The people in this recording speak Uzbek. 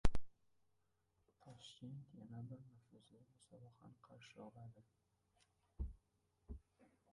Toshkent yana bir nufuzli musobaqani qarshi oladi